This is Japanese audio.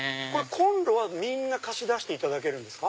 コンロはみんな貸し出していただけるんですか？